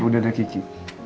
udah ada kiki